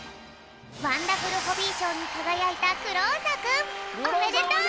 ワンダフルホビーしょうにかがやいたクローサくんおめでとう！